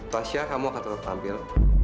tasya kamu akan tetap tampil